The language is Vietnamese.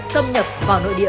xâm nhập vào nội địa